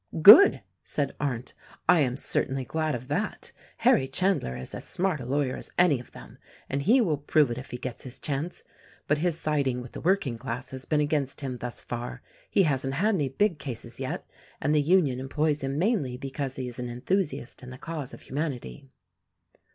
"Good!" said Arndt, "I am certainly glad of that. Harry Chandler is as smart a lawyer as any of them, and he will prove it if he gets his chance. But his siding with the working class has been against him thus far. He hasn't had any big cases yet, and the Union employs him mainly because he is an enthusiast in the cause of humanity."